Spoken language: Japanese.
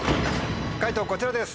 解答こちらです。